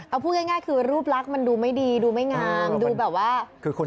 เอาพูดง่ายคือรูปลักษณ์มันดูไม่ดีดูไม่งามดูแบบว่า